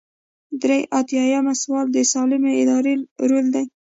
درې ایاتیام سوال د سالمې ادارې رول دی.